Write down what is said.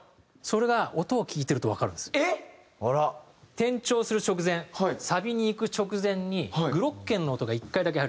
転調する直前サビにいく直前にグロッケンの音が１回だけ入るんです。